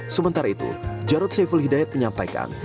sementara itu jarod saiful hidayat menyampaikan